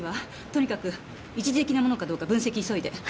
とにかく一時的なものかどうか分析急いで。